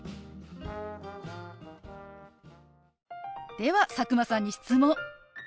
では佐久間さんに質問。